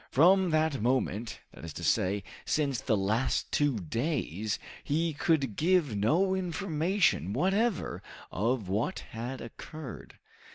From that moment, that is to say, since the last two days, he could give no information whatever of what had occurred.